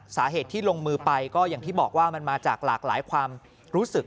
สาเหตุที่ลงมือไปก็อย่างที่บอกว่ามันมาจากหลากหลายความรู้สึก